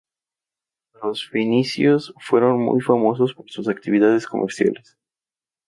Los fenicios fueron muy famosos por sus actividades comerciales.